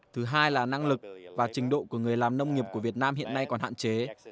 thứ hai là năng lực và trình độ của người làm nông nghiệp của việt nam hiện nay còn hạn chế